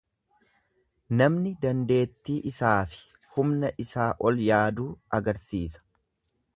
Namni dandeetti isaafi humna isaa ol yaaduu agarsiisa.